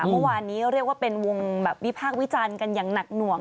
เมื่อวานนี้เรียกว่าเป็นวงแบบวิพากษ์วิจารณ์กันอย่างหนักหน่วง